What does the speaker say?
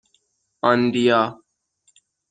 آندیا